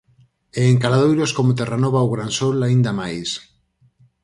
E en caladoiros como Terranova ou Gran Sol "aínda máis".